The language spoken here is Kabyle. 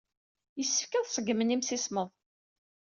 Yessefk ad ṣeggmen imsismeḍ.